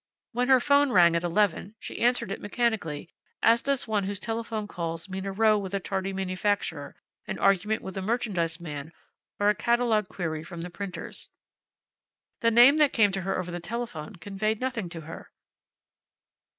When her 'phone rang at eleven she answered it mechanically as does one whose telephone calls mean a row with a tardy manufacturer, an argument with a merchandise man, or a catalogue query from the printer's. The name that came to her over the telephone conveyed nothing to her.